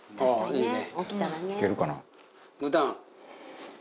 いいね！